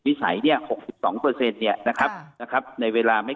วิสัยเนี่ยหกสิบสองเปอร์เซ็นต์เนี่ยนะครับนะครับในเวลาไม่